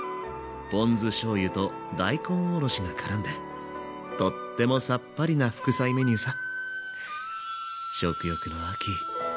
ポン酢しょうゆと大根おろしがからんでとってもさっぱりな副菜メニューさ。